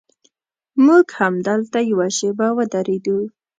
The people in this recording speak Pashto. موږ همدلته یوه شېبه ودرېدو.